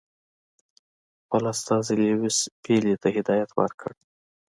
خپل استازي لیویس پیلي ته هدایت ورکړ.